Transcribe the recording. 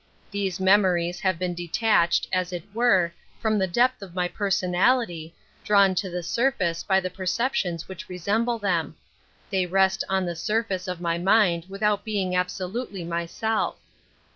These memories have been detached, as it were, from the depth of my jKjrsonality, drawn to the surface by the perceptions which I'esemble them ; they rest on the surface of my mind without being absolutely myself.